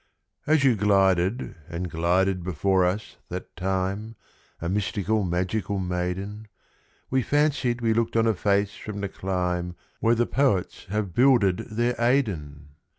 As you glided and glided before us that time, A mystical, magical maiden, We fancied we looked on a face from the clime Where the poets have builded their Aidenn!